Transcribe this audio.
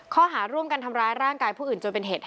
ข้อหาร่วมกันทำร้ายร่างกายผู้อื่นจนเป็นเหตุ